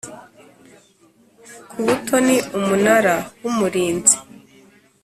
ku butoni Umunara w Umurinzi